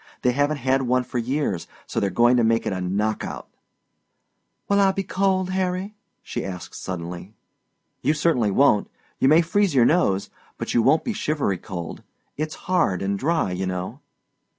They haven't had one for years, so they're gong to make it a knock out." "Will I be cold, Harry?" she asked suddenly. "You certainly won't. You may freeze your nose, but you won't be shivery cold. It's hard and dry, you know."